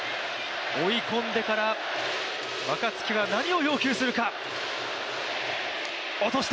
追い込んでから若月は何を要求するか。